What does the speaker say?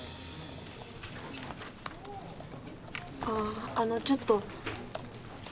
あぁあのちょっと。